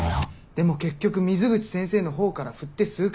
でも結局水口先生の方からふって数か月で破局。